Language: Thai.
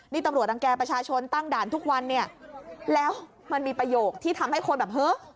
นี่ตำรวจรังแก่ประชาชนตั้งด่านทุกวันเนี่ยแล้วมันมีประโยคที่ทำให้คนแบบเฮ้ย